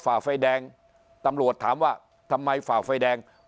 ฝ่าไฟแดงตำรวจถามว่าทำไมฝ่าไฟแดง